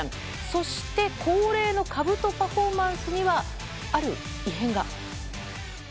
そして恒例のかぶとパフォーマンスにはある異変が。